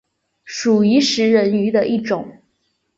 属于食人鱼的一种。